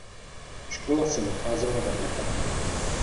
Škola se nacházela vedle kaple.